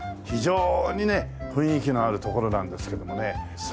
非常にね雰囲気のある所なんですけどもね。